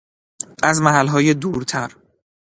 از محلهای دورتر